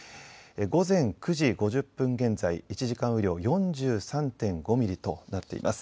午前９時５０分現在、１時間雨量、４３．５ミリとなっています。